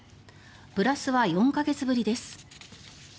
プラスは４か月ぶりです。